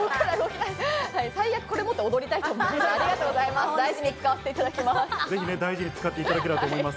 最悪これ持って踊りたいと思います。